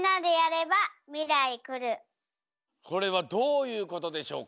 これはどういうことでしょうか？